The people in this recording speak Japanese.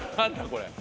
これ。